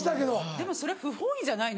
でもそれ不本意じゃないの？